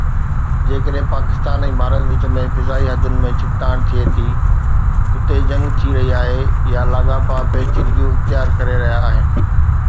جيڪڏهن پاڪستان ۽ ڀارت وچ ۾ فضائي حدن ۾ ڇڪتاڻ ٿئي ٿي، اتي جنگ ٿي رهي آهي يا لاڳاپا پيچيدگيون اختيار ڪري رهيا آهن